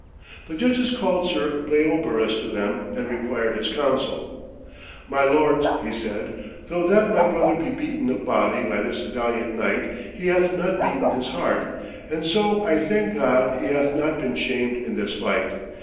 The judges called Sir Bleobaris to them and required his counsel. 'My lords,' he said, 'though that my brother be beaten of body by this valiant knight, he hath not beaten his heart, and so I thank God he hath not been shamed in this fight.